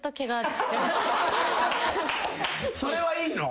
それはいいの？